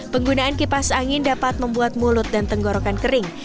penggunaan kipas angin dapat membuat mulut dan tenggorokan kering